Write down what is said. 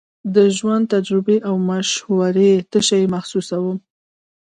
د ژوند تجربې او مشورې تشه محسوسوم.